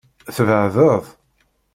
Tbeɛdeḍ.